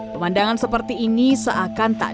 pemandangan seperti ini seakan tak dapat dihitung jari